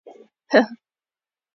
_هه!